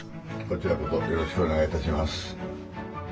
こちらこそよろしくお願いいたします。